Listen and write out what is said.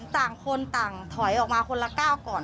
ต่างคนต่างถอยออกมาคนละก้าวก่อน